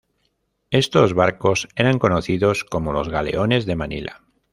Estos barcos eran conocidos como los galeones de Manila.